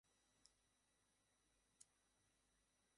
কিন্তু আমরা এটা জানি না আবু বকর আবদুল্লাহ আছে কি না।